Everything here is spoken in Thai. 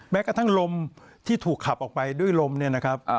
แม้กระทั่งลมที่ถูกขับออกไปด้วยลมเนี่ยนะครับ